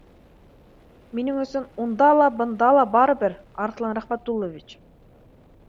Минең өсөн унда ла, бында ла барыбер, Арыҫлан Рәхмәтуллович